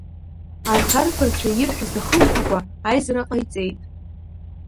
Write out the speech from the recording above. Арҭ арԥарцәа ирҳәаз дахымԥакәа аизара ҟаиҵеит.